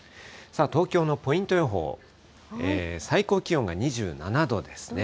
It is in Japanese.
東京のポイント予報、最高気温が２７度ですね。